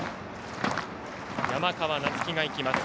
山川夏輝がいきます。